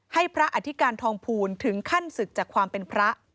ให้พระอธิการทองภูลถึงขั้นศึกจากความเป็นพระ